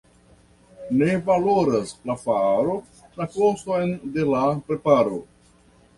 Ne valoras la faro la koston de la preparo.